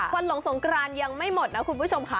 หลงสงกรานยังไม่หมดนะคุณผู้ชมค่ะ